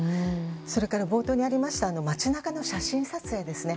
それから冒頭にありました街中の写真撮影ですね。